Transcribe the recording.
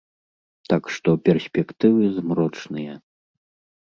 Так што перспектывы змрочныя.